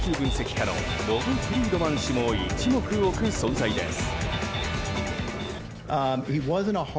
家のロブ・フリードマン氏も一目置く存在です。